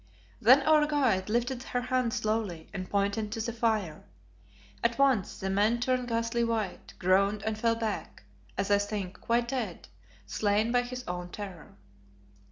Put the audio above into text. Then our guide lifted her hand slowly and pointed to the fire. At once the man turned ghastly white, groaned and fell back, as I think, quite dead, slain by his own terror.